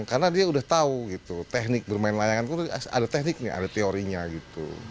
karena dia udah tahu teknik bermain layangan ada teknik nih ada teorinya gitu